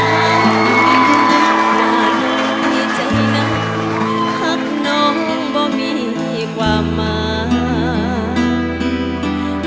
หากน้องมีใจนะหากน้องบ่มีความมาก